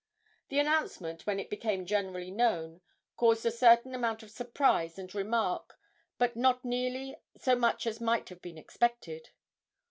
The announcement, when it became generally known, caused a certain amount of surprise and remark, but not nearly so much as might have been expected.